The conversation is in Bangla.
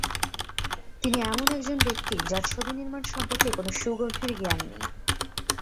তিনি এমন একজন ব্যক্তি যার ছবি-নির্মাণ সম্পর্কে কোনো সুগভীর জ্ঞান নেই।